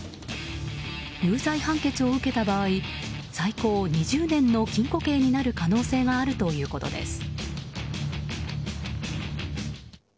有罪判決を受けた場合最高２０年の禁錮刑になる可能性があるということです。